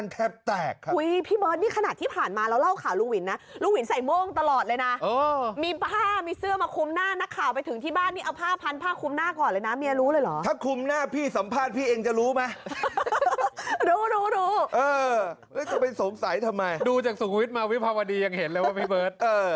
แล้วจะไปสงสัยทำไมดูจากสุวิทย์มาวิภาวดียังเห็นเลยว่าพี่เบิร์ต